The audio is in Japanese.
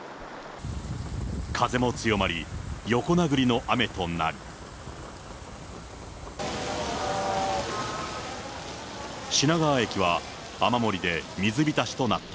風も強まり、横殴りの雨となり、品川駅は雨漏りで水浸しとなった。